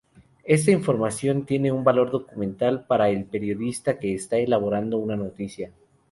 Esta información tiene un valor documental para el periodista que está elaborando una noticia.